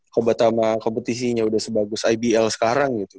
koba tama kompetisinya udah sebagus ibl sekarang gitu kan